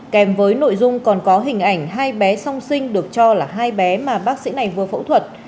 kèm với nội dung còn có hình ảnh hai bé song sinh được cho là hai bé mà bác sĩ này vừa phẫu thuật